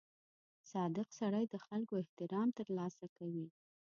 • صادق سړی د خلکو احترام ترلاسه کوي.